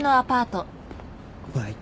「バイト